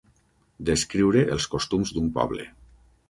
Descriure els costums d'un poble.